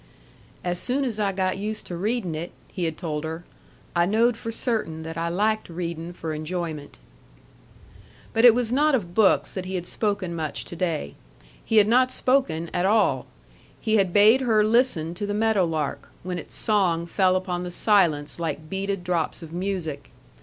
"As soon as I got used to readin' it," he had told her, "I knowed for certain that I liked readin' for enjoyment." But it was not of books that he had spoken much to day. He had not spoken at all. He had bade her listen to the meadow lark, when its song fell upon the silence like beaded drops of music.